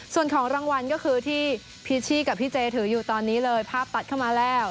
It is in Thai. ส่วนของรางวัลก็คือที่พีชชี่กับพี่เจถืออยู่ตอนนี้เลยภาพตัดเข้ามาแล้ว